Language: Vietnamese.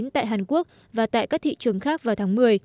tại hàn quốc và tại các thị trường khác vào tháng một mươi